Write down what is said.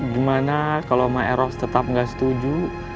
gimana kalau ma'eros tetap gak setuju